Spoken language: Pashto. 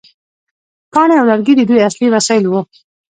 کاڼي او لرګي د دوی اصلي وسایل وو.